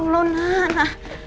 ya allah nana